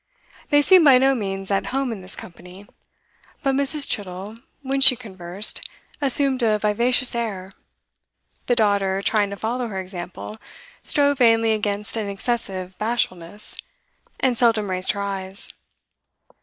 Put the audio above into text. They seemed by no means at home in this company; but Mrs. Chittle, when she conversed, assumed a vivacious air; the daughter, trying to follow her example, strove vainly against an excessive bashfulness, and seldom raised her eyes.